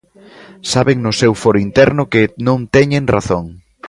Saben no seu foro interno que non teñen razón.